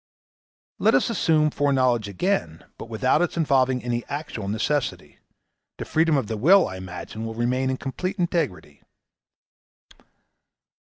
'Let us assume foreknowledge again, but without its involving any actual necessity; the freedom of the will, I imagine, will remain in complete integrity.